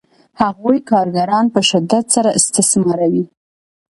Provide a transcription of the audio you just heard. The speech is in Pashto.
هغوی کارګران په شدت سره استثماروي